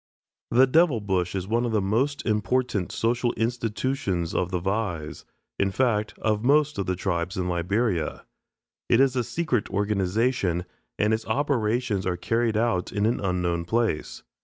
ELLIS The "Devil Bush" is one of the most important social institutions of the Vais, in fact, of most of the tribes in Liberia. It is a secret organization, and its operations are carried on in an unknown place.